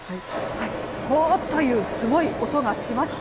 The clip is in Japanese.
ごーっというすごい音がしました。